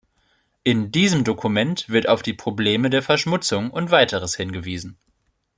In diesem Dokument wird auf die Probleme der Verschmutzung und weiteres hingewiesen.